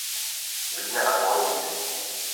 — Bizni "afg‘on", deydi.